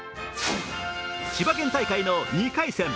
千葉県大会の２回戦。